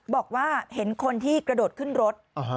บอกว่าเห็นคนที่กระโดดขึ้นรถ